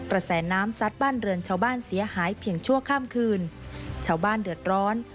แสน้ำซัดบ้านเรือนชาวบ้านเสียหายเพียงชั่วข้ามคืนชาวบ้านเดือดร้อน